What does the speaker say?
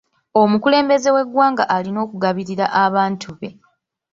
Omukulembeze w'eggwanga alina okugabirira abantu be.